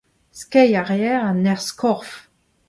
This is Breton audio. Skeiñ a reer a-nerzh-korf.